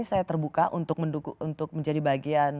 saya terbuka untuk menjadi bagian